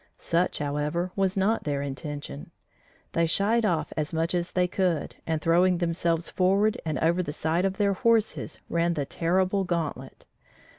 Such, however, was not their intention: they shied off as much as they could, and, throwing themselves forward and over the side of their horses, ran the terrible gauntlet.